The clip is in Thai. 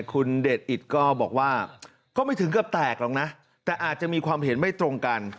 คุณเดชอิตก็บอกว่าก็ไม่ถึงกับแตกหรอกนะแต่อาจจะมีความเห็นไม่ตรงกัน